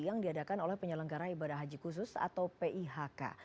yang diadakan oleh penyelenggara ibadah haji khusus atau pihk